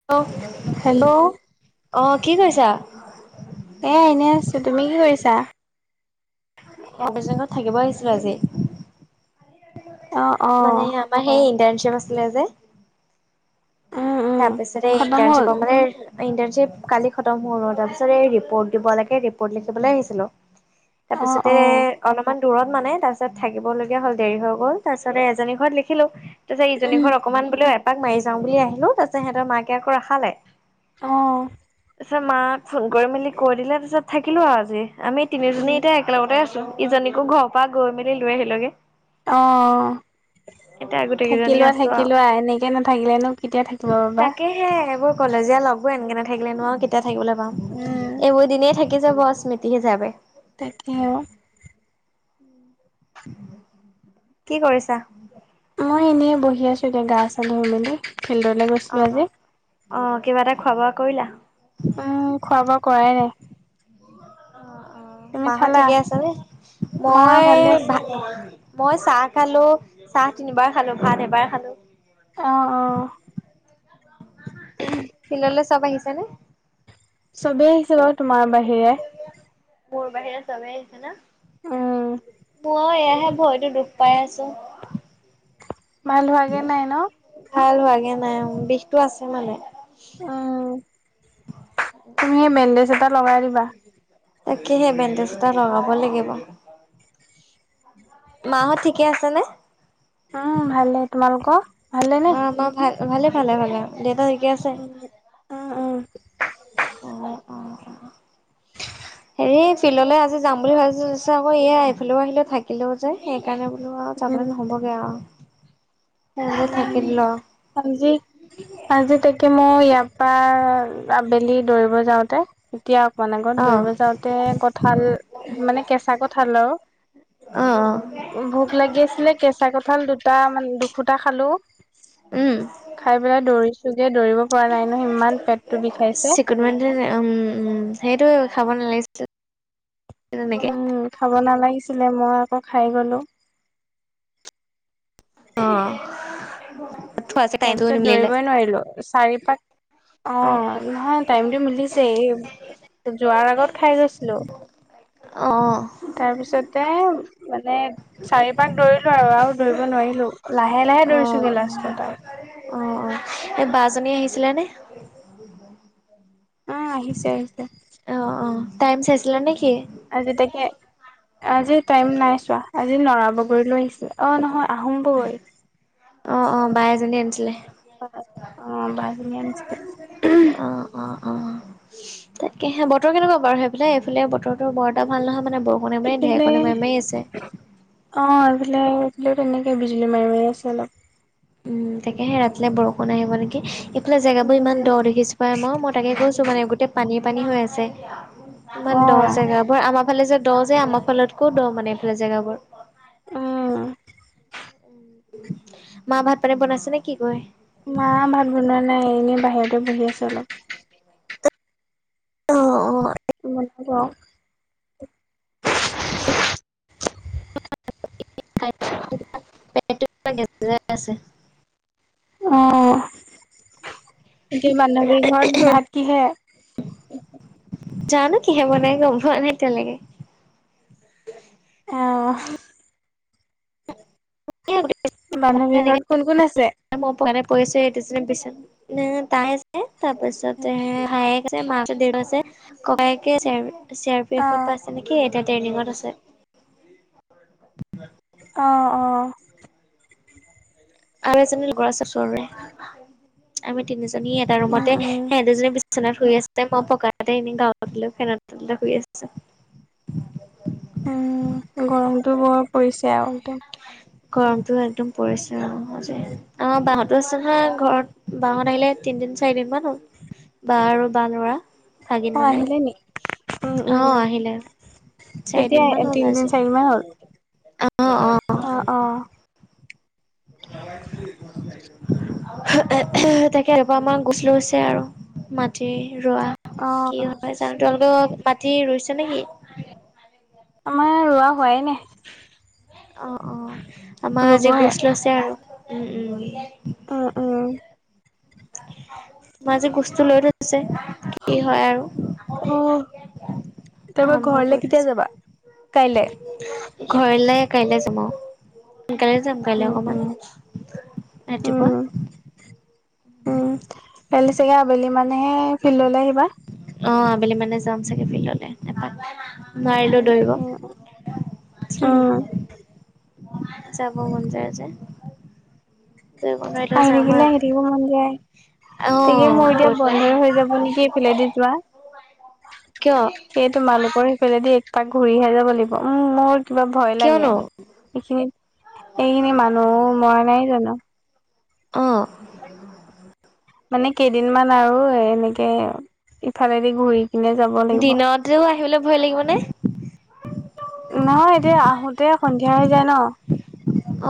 [unintelligible] Hello! অ', কি কৰিছা? এয়া, এনেই আছোঁ। তুমি কি কৰিছা? [unintelligible] থাকিব আহিছিলো আজি। অ অ মানে ইয়াৰ পৰা সেই ইণ্টাৰশ্বিপ আছিলে যে। উম উম তাৰপিছতে খতম হ'ল ইণ্টাৰশ্বিপ মানে ইণ্টাৰশ্বিপ কালি খতম হ'ল। অ', তাৰ পিছত এই ৰিপৰ্ট দিব লাগে, ৰিপৰ্ট লিখিবলৈ আহিছিলোঁ। অ তাৰপিছতে অ অলপমান- দূৰত মানে তাৰপিছত থাকিব লগগীয়া হ'ল দেৰি হৈ গ'ল। তাৰপিছত এজনী ঘৰত লিখিলো তাৰপিছত ইজনী উম ঘ- অকণমান বোলোঁ এপাক মাৰি যাওঁ বুলি আহিলো তাৰপিছত সিহঁতৰ মাকে আকৌ ৰখালে। অঁ। তাৰপিছত মাক ফোন কৰি মেলি কৈ দিলে তাৰপিছত থাকিলোঁ আৰু আজি, আমি তিনিজনী উম এতিয়া একেলগতে আছোঁ। ইজনীকো ঘৰ পৰা গৈ মেলি লৈ আহিলে গে। অঁ', এতিয়া গোটেই কেইজনী আছো আও। থাকিলোৱা-থাকিলোৱা এনে- কে নাথাকিলেনো কেতিয়া থাকিব পাবা। এ' এইবোৰ কলেজীয়া লগ এনকে নাথাকিলে নোৱাৰ কেতিয়া থাকিবলৈ পাম। উম এইবোৰ দিনেই- থাকি যাব স্মৃতি হিচাপে। তাকে, অ'। কি কৰিছাঁ? মই এনেই বহি আছোঁ এতিয়া গা চা ধুই মেলি ফিল্ডলৈ গৈছোঁ। অঁ', -অঁ', -কিবা এটা খোৱা-বোৱা কৰিলা। উমঁ, খোৱা-বোৱা কৰাই নাই। অঁ', -অঁ', তুমি মাঁহত খালা ঠিকে আছে নে? মা মই ভালে আছে ভাত মই চাহ খালো, চাহ তিনিবাৰ খালো, ভাত এবাৰ খালো। অঁ। উম'। ফিল্ডলৈ চব আহিছে নে? চবেই আহিছে বাৰু তোমাৰ বাহিৰে। মোৰ বাহিৰে চবেই আহিছে ন' উম মই এয়াহে ভৰিতো দুখ পাই আছোঁ। ভাল হোৱাগে নাই ন'। ভাল হোৱা গে নাই বিষতটো আছে মানে। উমঁ, তুমি এই বেণ্ডেজ এটা লগাই দিবা। তাকে'হে সেই বেণ্ডেজ এটা লগাব লাগিব। মাহঁত ঠিকে আছে নে? উমঁ' ভালে। তোমালোকৰ ভালে নে? অ', মা ভাল, ভালে-ভালে-ভালে। দেউতা ঠিকে আছে? উম। উম অঁ', -অঁ', -অঁ', -। হেৰি ফিল্ডলৈ আজি যাম বুলি ভাবিছোঁ আকৌ এয়া এইফালে আহিলোঁ, থাকিলোঁ- সেইকাৰণে বোলো আৰু উম যাবলে উম নহ'বগে আৰু। বোলো উম, থাকি দিলো আৰু আজি আজি তাকে মই ইয়াৰ পৰা আবেলি দৌৰিব যাওঁতে- এতিয়া অকণমান আগত অ', দৌৰিব যাওঁতে কঠাল মানে কেঁচা কঠাল আৰু- অ', অ', ভোক লাগি আছিলে কেঁচা কঁঠাল দুটা মানে দুফুটা খালো। উম। খাই পেলাই দৌৰিছো গৈ দৌৰিব পৰা নাই নহয় ইমান পেটটো বিষাইছে। উম-উম, সেইটোৱে খাব নালাগিছিল তেনেকে। উম খাব নালাগিছিলে মই আকৌ খাই গ'লোঁ। অ'। থোৱাছে টাইমটোও তাৰপিছত নিমিলিলে দৌৰিবই নোৱাৰিলোঁ। চাৰি পাক অঁ', নহয়, টাইমটো মিলিছে এই যোৱাৰ আগত খাই গৈছিলো। অঁ। তাৰ পিছতে মানে চাৰি পাক দৌৰিলো আৰু আৰু দৌৰিব নোৱাৰিলো লাহে লাহে অ', দৌৰিছোগে লাষ্টত আৱ অ অ এই বাজনী আহিছিলে নে? অ আহিছে আহিছে অ অ টাইম চাইছিলা নেকি? আজি তাকে আজি টাইম নাই চোৱা আজি নৰা বগৰীলৈ আহিছে অ নহয় আহোম ব'গৈ অ অ বাই এজনী আনিছিলে অ বাইজনীয়ে আনিছিলে অ অ অ তাকে সে বতৰ কেনেকুৱা বাৰু সেইফালে এইফালে বতৰটো বৰএটা ভাল নহয় মানে বৰ এপিলে অ এইফালে এইফালেও তেনেকে বিজুলী মাৰি মাৰি আছে অলপ উম তাকে সে ৰাতিলে বৰষুণ আহিব নেকি এইফালে জেগাবোৰ ইমান দৰ উম দেখিছো পাই মই, মই তাকে কৈছো মানে গোটেই পানী পানী হৈ আছে ইমান অ দহ জেগা বোৰ আমাৰ ফালে যে দ' যে আমাৰ ফালতকো দ'মানে এইফালে জেগাবোৰ অ মা ভাত-পানী বনাইছে নে কি কয় মা ভাত বনোৱা নাই এনেই বাহিৰতে বহি আছে অলপ অ অ [unintelligible] [unintelligible] অ এতিয়া বান্ধৱীৰ ঘৰত ভাত কিহেৰে? যা নো কিহে বনাই গম পোৱা নাই এতিয়ালৈকে অ এতিয়ালৈকে। বান্ধৱী ঘৰত কোন কোন আছে? মই পৱা নাই পৰিছো এতিয়া জাছ বিচনাত তাই আছে, তাৰ পিছতে ভাইক, মা আছে, দেউতা আছে ককায়েকে চি আৰ পি অ এফত পাইছে নেকি এতিয়া ট্ৰেইনিত আছে অঁ অঁ আৰু এজনী লগৰ আছে ওচৰৰে আমি, তিনিজনী এটা উম ৰুমতে উম সেটি দুজনী বি চনাত শুই আছে, মই পকাতে এনে গাঁওতো লৈ ফেনৰ তলতে শুই আছোঁ উম গৰমটো বৰ পৰিছে আৱ একদম গৰমটো একদম পৰিছে অ আজি আমাৰ বাহতো আছে নহয় ঘৰত বাহত আহিলে তিনদিন, চাৰিদিন মান হল বা আৰু বা ল'ৰা ভাগিন অ মানে আহিলে নি উম অ উম আহিলে কেতিয়া চাৰিদিন মান হ'ল তিনদিন আজি। চাৰিদিনমান হ'ল অ অ [unintelligible] তাকে এবা আমাৰ গুছ লৈছে আৰু মাটি ৰোৱা অ কি হয় চাওঁ তোমালোকৰ মাতি ৰুইছে নেকি? আমাৰ ৰোৱা হোৱাই নায় অ অ আমাৰ আজি ৰুবহে গোছ লৈছে আৰু উম উম অ অ আমা আজি গোচটো লৈ থৈ দিছে কি হয় আৰু তাৰপা আৰম্ভ ঘৰলে কৰি কেতিয়া থৈছে যাবা কাইলে? ঘৰলে কাইলে যাম অ সোনকালে যাম উম বেলেগ উম অকণমান উম ৰাতিপুৱা উম, কালিলৈ চাগে আবেলি মানেহে ফিল্ডলৈ আহিবা? অ, আবেলি মানে যাম চাগে, ফিল্ডলৈ এপাক। নোৱাৰিলেও উম দৌৰিব। উম উম যাব মন যায় যে। দৌৰিব নোৱাৰিলেও আহি যাম আও থাকিলে আহি থাকিব এপাক মন যায়। তাকে অ মোৰ এতিয়া গধূলি বন্ধই হৈ যাব নেকি, এইফালেদি যোৱা। কিয়? সেই তোমালোকৰ মানু্হ ঘৰ সেইফালেদি এক পাক ঘূৰিহে যাব লাগিব। উম মোৰ কিবা ভয় লাগে। কিয়নো এইখিনিত- এইখিনি মানুহ মৰা নাই জানো? অঁ। মানে কেইদিন মান আৰু এ এনেকে ইফালেদি ঘূৰি। এনে যাব লাগিব দিনতেও আহিবলৈ ভয় লাগিব নে? নহয়, এতিয়া আহোতে সন্ধিয়া হৈ যায় ন।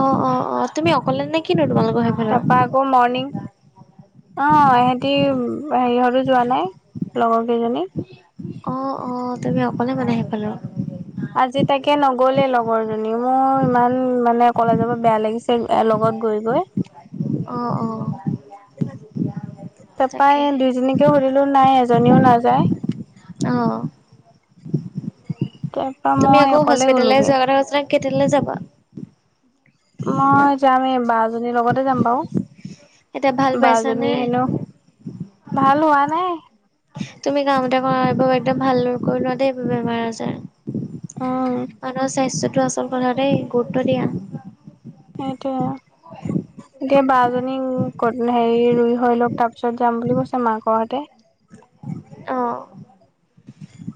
অ- অ- অ, তুমি অকলে নেকি নে তোমালোকৰ সেইফালে? তাৰপৰা আকৌ মৰ্ণিং। অ, সিহঁতি হেৰিহঁতো যোৱা নাই, লগৰ কেইজনী। অ- অ, তুমি অকলে মানে সেইফালৰ। আজি তাকে নগলে লগৰ জনী মোৰ ইমান মানে কলেজৰ পৰা বেয়া লাগিছে। কোনোবাই লগত গৈ- গৈ। অ- অ। তাৰপাৰাই তাকেহে দুইজনীকে সুধিলো নাই এজনীও নাযায়। অ। তাৰপৰা তুমি মই আকৌ অকলে হস্পিতেললৈ গ'লোগে যোৱাৰ কাৰণে কেতিয়লৈ যাবা? মই যামে, এই বা জনীৰ লগতে যাম বাৰু। এতিয়া ভাল পাইছানে? বাজনী হেনো ভাল হোৱা নাই। তুমি কাম এটা কৰা একদম ভালদৰে কৰি ল দেই এই বেমাৰ- আজাৰ। উম মানুহৰ স্বাস্থ্যটো আচল কথা দেই, গুৰুত্ব দিয়া। সেইটোৱে। এতিয়া বা জনীক হেৰি ৰুই হৈ লওক, তাৰ পিছত যাম বুলি কৈছে মাকৰ হতে। অ।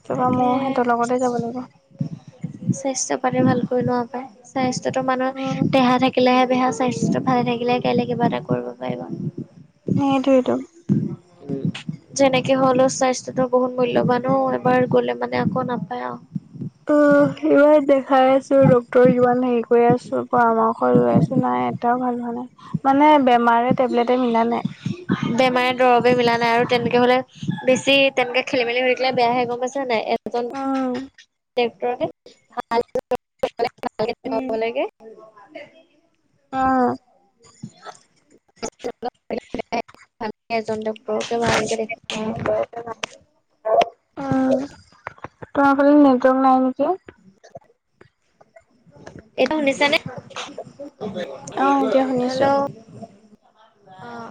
তাৰপৰা মইও সিহঁতৰ লগতে যাব লাগিব। স্বাস্থ্য পাতি ভালকৈ লোৱা পায়, স্বাস্থ্যতো উম মানুহৰ দেহা থাকিলে থাকিলে বেহা। স্বাস্থ্যটো ভালে থাকিলে কাইলে কিবা এটা কৰিব পাৰিব। সেইটোৱেটো। যেনেকে হ'লও স্বাস্থ্যতো বহুত মূল্যবানো অ। এবাৰ গলে মানে আকৌ নাপায় আৰু। অ, ইমান দেখাই আছোঁ। ডাকক্তৰ যিমান হেৰি কৰি আছোঁ, পৰামৰ্শ লৈ আছোঁ। নাই এটাও ভাল হোৱা নাই। মানে বেমাৰে টেবলেটে মিলা নাই। বেমাৰে দৰৱে মিলা নাই। আৰু তেনেকে হলে বেছি তেনেকে খেলি- মেলি হৈ থাকিলে বেয়াহে। গম পাইছে নাই। এজন উম ডাক্তৰক ভালকে উম দেখুৱাব লাগে। অ। অ। [unintelligible] এজন ডাক্তৰকে ভালকে দেখুৱাব লাগে। উম, তোমাৰ ফালে নেটৱৰ্ক নাই নেকি? [unintelligible] এইটো শুনিছ নে? অ', এতিয়া হেল্ল শুনিছোঁ। অ',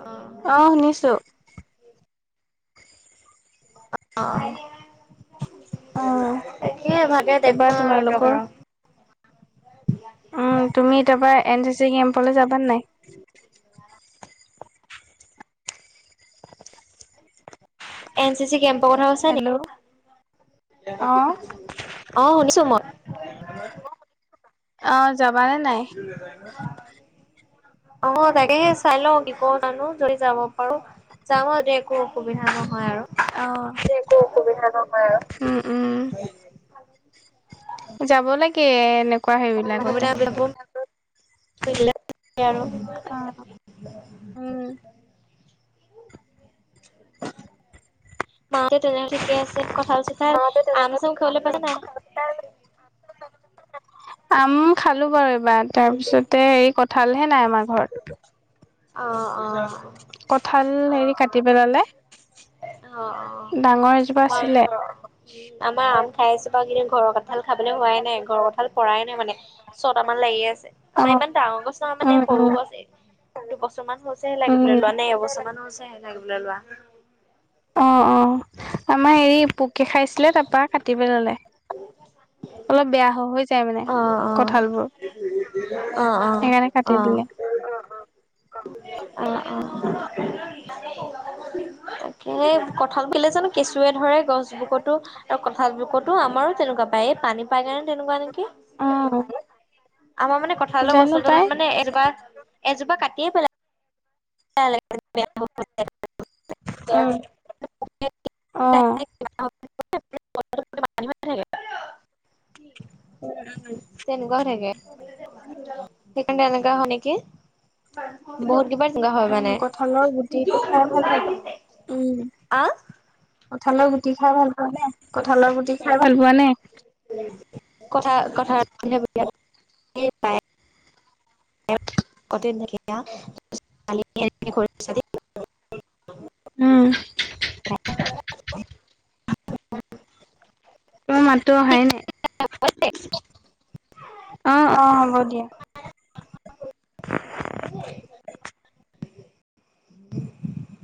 অ শুনিছো। অঁ অ', তেতিয়া ভাদে তাৰপা দেখুৱাম আৰু তোমালোকৰ? ডক্টৰক। উম তুমি তাপা এন চি চি কেম্পলৈ যাবা নাই? এন চি চি কেম্পৰ কথা কৈছা নি? অ', অ শুনিছো মই। অ যাবানে নাই? অ তাকেহে চাই লও কি কৰো জানো। যদি যাব পাৰো, যাওঁ একো অসুবিধা নহয় আৰু। অ সেই একো অসুবিধা নহয় আৰু উম উম। যাব লাগে এনেকুৱা সেইবিলাকতে। অসুবিধা [inaudible] আৰু উম মা হতে তেনেলে ঠিকে আছে, কথাল চঠাল‌, আম চাম খুৱাবলে পাইচা নাই? আম খালো বাৰু এইবাৰ তাৰপিছতে হেৰি কথা হাল হে নাই আমাৰ ঘৰত। অ অ কঠাল হেৰি কাটি পেলালে। অ অ ডাঙৰ এজোপা হয়। আছিলে আমাৰ আম খাই আছো বাৰু কিন্তু ঘৰৰ কঁঠাল খাবলে হোৱাই নাই ঘৰৰ কঁঠাল পৰাই নাই মানে। ছটামান লাগি আছে আমাৰ অ', ইমান ডাঙৰ গছ নহয় উম, মানে উম, সৰু গছ এ। দুবছৰমান হৈছেহে লাগিবলে উম। লোৱা নে এবছৰমান হৈছেহে লাগিবলে লোৱা। অ', অ', আমাৰ হেৰি পোকে খাইছিলে তাৰপা কাটি পেলালে অলপ বেয়া হৈ যায়। মানে অ', অ', কঠালবোৰ অ', সেইকাৰণে কাটি দিলে। আহ অ [unintelligible] হে কঁঠাল কেলে জানো কেঁচুৱে ধৰে গছবকতো। আৰু কঠাল বকতো আমাৰো তেনেকুৱা পায় এই পানী পায় কেনে তেনেকুৱা নেকি। অ', আমাৰ মানে কঠালৰ জানো বস্তু তত পাই মানে এজোপা এজোপা কাটিয়ে পেলাই। [inaudible] অ'। [inaudible] উম উম তেনেকুৱাও থাকে সেইকাৰণে তেনেকুৱা হয় নেকি, বহুত কিবা উম, কঠালৰ গুটিটো খাই ভাল লাগে। উম আ কঁঠালৰ গুটি খাই ভাল পোৱা নে কঠালৰ গুটি খাই ভাল পোৱা নে? কথা কথা [inaudible] [inaudible] উম তোমাৰ মাতটো অহাই নাই। অ অ হ'ব দিয়া। [inaudible] [unintelligible]